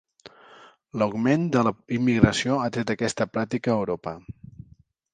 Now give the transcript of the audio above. L'augment de la immigració ha atret aquesta pràctica a Europa.